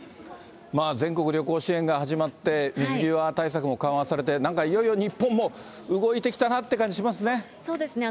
全国旅行支援が始まって、水際対策も緩和されて、なんかいよいよ日本も動いてきたなって感じしますね。